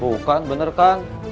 bukan bener kan